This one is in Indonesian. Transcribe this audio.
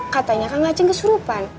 katanya kak ngaceng kesurupan